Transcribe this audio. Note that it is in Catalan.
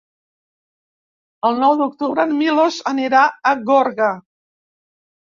El nou d'octubre en Milos anirà a Gorga.